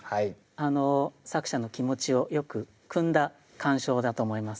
作者の気持ちをよくくんだ鑑賞だと思います